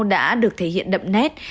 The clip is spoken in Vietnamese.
đã được thể hiện đậm nét